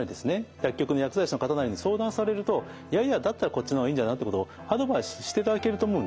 薬局の薬剤師の方なりに相談されるといやいやだったらこっちの方がいいんじゃない？ってことをアドバイスしていただけると思うんですね。